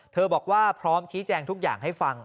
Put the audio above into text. บอกว่าพร้อมชี้แจงทุกอย่างให้ฟัง